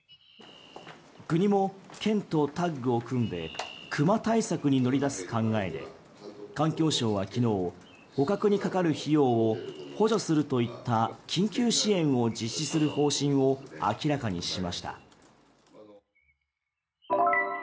国も県とタッグを組んでクマ対策に乗り出す考えで環境省は昨日捕獲にかかる費用を補助するといった緊急支援を実施する方針を明らかにしました。